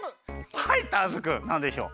はいターズくんなんでしょう？